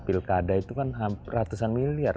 pilkada itu kan ratusan miliar